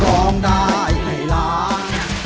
ร้องได้ให้ล้าน